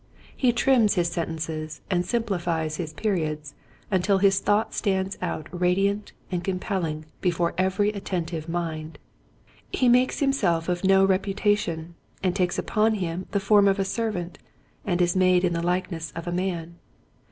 He trims his sentences and simplifies his periods until his thought stands out radiant and compelling before every attentive mind. He makes him self of no reputation and takes upon him the form of a servant and is made in the likeness of a man.